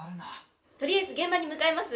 とりあえず現場に向かいます。